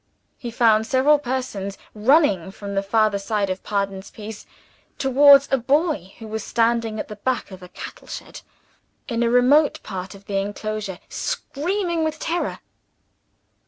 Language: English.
He found several persons running from the farther side of Pardon's Piece towards a boy who was standing at the back of a cattle shed, in a remote part of the enclosure, screaming with terror.